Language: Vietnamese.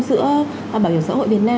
giữa bảo hiểm xã hội việt nam